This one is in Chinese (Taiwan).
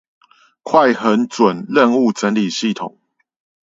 快狠準任務整理系統